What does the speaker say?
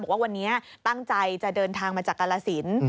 ว่าวันนี้ตั้งใจจะเดินทางมาจากกาลสิน